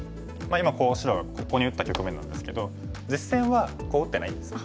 今こう白がここに打った局面なんですけど実戦はこう打ってないんです。